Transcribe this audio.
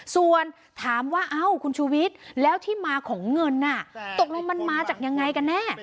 ส่วนถามว่าเอ้าคุณชูวิทย์แล้วที่มาของเงินตกลงมันมาจากยังไงกันแน่